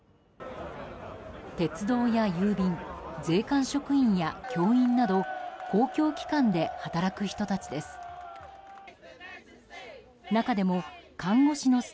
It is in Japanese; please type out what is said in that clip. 鉄道や郵便、税関職員や教員など公共機関で働く人たちです。